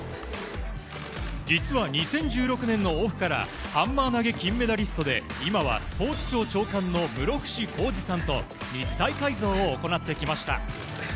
実は２０１６年のオフからハンマー投げ金メダリストで今はスポーツ庁長官の室伏広治さんと肉体改造を行ってきました。